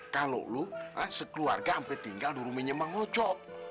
kalau lo sekeluarga sampai tinggal di rumahnya mang ojo